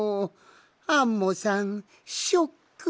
アンモさんショック。